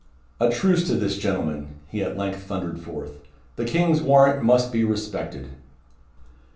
"A truce to this, gentlemen;" he at length thundered forth; "the King's warrant must be respected."